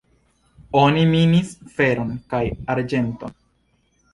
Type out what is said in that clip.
Oni minis feron kaj arĝenton.